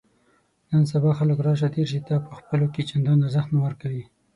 نن سبا خلک راشه درشې ته په خپلو کې چندان ارزښت نه ورکوي.